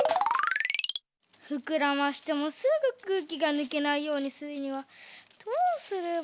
ふくらましてもすぐくうきがぬけないようにするにはどうすれば？